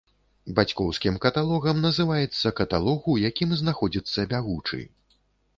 Бацькоўскім каталогам называецца каталог, у якім знаходзіцца бягучы.